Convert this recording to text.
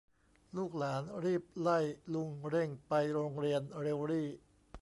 ลูกหลานรีบไล่ลุงเร่งไปโรงเรียนเร็วรี่